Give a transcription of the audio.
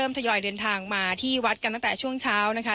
ทยอยเดินทางมาที่วัดกันตั้งแต่ช่วงเช้านะคะ